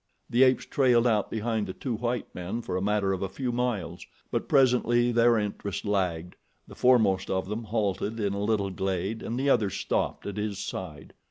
The apes trailed out behind the two white men for a matter of a few miles; but presently their interest lagged, the foremost of them halted in a little glade and the others stopped at his side.